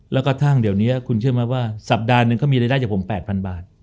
แล้วกระทั่งเดี๋ยวนี้คุณเชื่อไหมว่าสัปดาห์หนึ่งก็มีรายได้จากผม๘๐๐บาท